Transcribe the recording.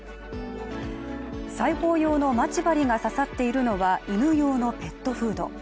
裁縫用のまち針が刺さっているのは犬用のペットフード。